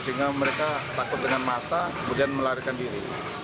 sehingga mereka takut dengan masa kemudian melarikan diri